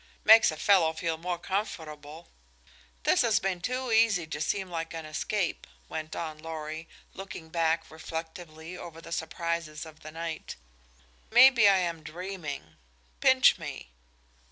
"Makes a fellow feel more comfortable." "This has been too easy to seem like an escape," went on Lorry, looking back reflectively over the surprises of the night. "Maybe I am dreaming. Pinch me."